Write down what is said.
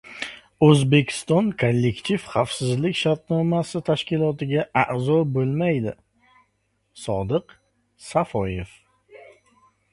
O‘zbekiston Kollektiv xavfsizlik shartnomasi tashkilotiga a’zo bo‘lmaydi — Sodiq Safoyev